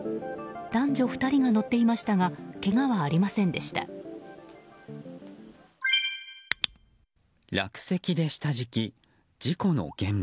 男女２人が乗っていましたがけがはありませんでした。